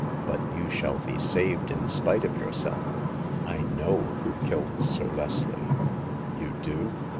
But you shall be saved in spite of yourself. I know who killed Sir Leslie." " You do